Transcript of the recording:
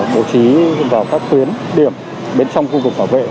bố trí vào các tuyến điểm bên trong khu vực phảo vệ